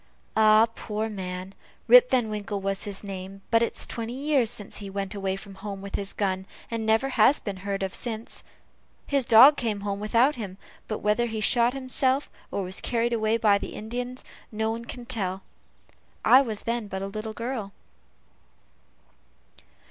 "Ah, poor man, Rip Van Winkle was his name, but it's twenty years since he went away from home with his gun, and never has been heard of since, his dog came home without him; but whether he shot himself, or was carried away by the Indians, nobody can tell. I was then but a little girl."